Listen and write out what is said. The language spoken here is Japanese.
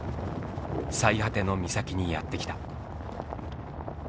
最果ての岬にやって来た。